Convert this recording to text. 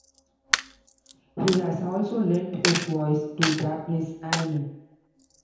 He has also lent his voice to Japanese anime.